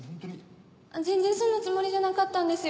全然そんなつもりじゃなかったんですよ。